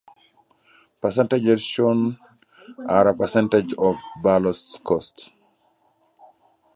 Percentages shown are percentage of ballots cast.